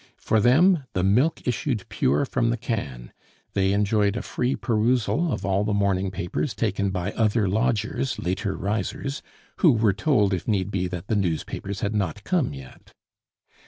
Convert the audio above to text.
For them the milk issued pure from the can; they enjoyed a free perusal of all the morning papers taken by other lodgers, later risers, who were told, if need be, that the newspapers had not come yet.